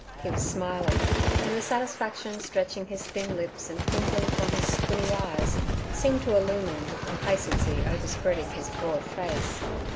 He was smiling, and the satisfaction stretching his thin lips and twinkling from his squinny eyes seemed to illumine the complacency overspreading his broad face.